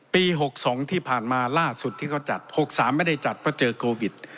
ปี๖๒ที่ผ่านมาล่าสุดที่เขาจัด๖๓ไม่ได้จัดเพราะเจอโควิด